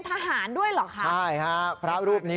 พระขู่คนที่เข้าไปคุยกับพระรูปนี้